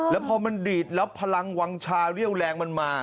แล้วพอมันดีดแล้วพลังวังชาเรี่ยวแรงมันมา